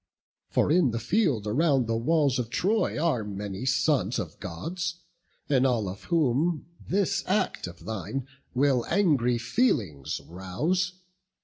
For in the field around the walls of Troy Are many sons of Gods, in all of whom This act of thine will angry feelings rouse.